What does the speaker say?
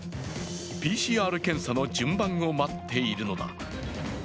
ＰＣＲ検査の順番を待っているのだ。